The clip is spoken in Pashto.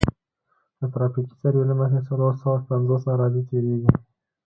د ترافیکي سروې له مخې څلور سوه پنځوس عرادې تیریږي